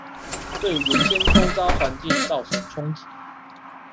對原先週遭環境造成衝擊